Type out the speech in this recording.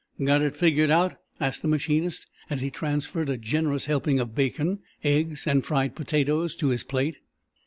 "Got it figured out?" asked the machinist, as he transferred, a generous helping of bacon, eggs and fried potatoes, to his plate.